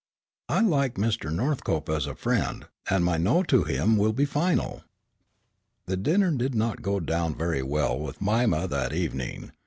"I like Mr. Northcope as a friend, and my no to him will be final." The dinner did not go down very well with Mima that evening.